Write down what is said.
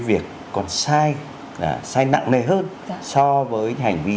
việc còn sai sai nặng nề hơn so với hành vi